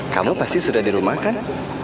kamu pasti sudah di rumah kan